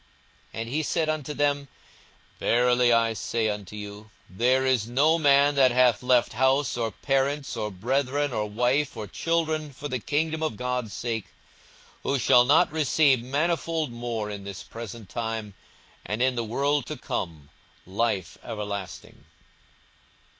42:018:029 And he said unto them, Verily I say unto you, There is no man that hath left house, or parents, or brethren, or wife, or children, for the kingdom of God's sake, 42:018:030 Who shall not receive manifold more in this present time, and in the world to come life everlasting.